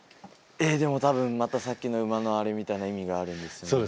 えっでも多分またさっきの馬のあれみたいな意味があるんですよね